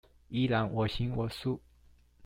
依然我行我素